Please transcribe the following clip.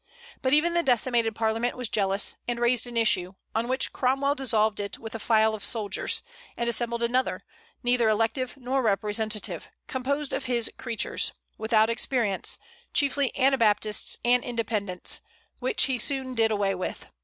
But even the decimated Parliament was jealous, and raised an issue, on which Cromwell dissolved it with a file of soldiers, and assembled another, neither elective nor representative, composed of his creatures, without experience, chiefly Anabaptists and Independents; which he soon did away with.